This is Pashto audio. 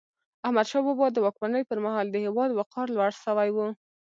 احمدشاه بابا د واکمني پر مهال د هیواد وقار لوړ سوی و.